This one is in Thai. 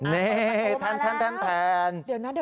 นี่แผ่นแผ่นแผ่น